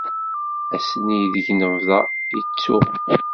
Ass-nni ideg nebḍa i ttuɣ.